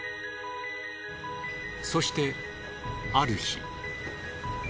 そしてある日。